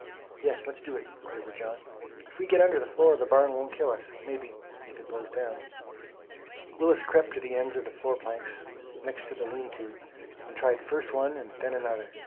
"Yes, let's do it!" quavered John. "If we get under the floor the barn won't kill us, maybe, if it blows down." Willis crept to the ends of the floor planks, next the lean to, and tried first one and then another.